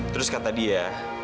terus kata dia